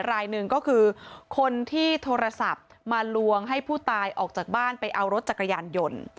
รายหนึ่งก็คือคนที่โทรศัพท์มาลวงให้ผู้ตายออกจากบ้านไปเอารถจักรยานยนต์